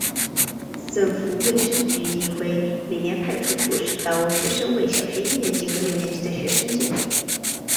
政府卫生局亦会每年派出护士到学校为小学一年级和六年级的学生接种。